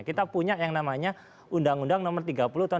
kita punya yang namanya undang undang nomor tiga puluh tahun dua ribu dua